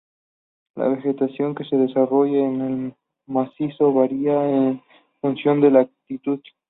La vegetación que se desarrolla en el macizo varía en función de la altitud.